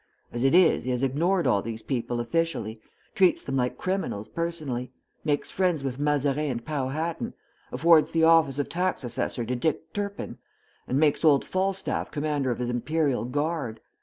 As it is, he has ignored all these people officially, treats them like criminals personally; makes friends with Mazarin and Powhatan, awards the office of Tax Assessor to Dick Turpin, and makes old Falstaff commander of his Imperial Guard.